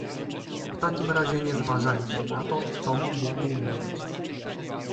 "W takim razie nie zważajcie na to, com mógł mówić!"